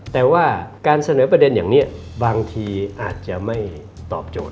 แต่ว่าการเสนอประเด็นอย่างนี้บางทีอาจจะไม่ตอบโจทย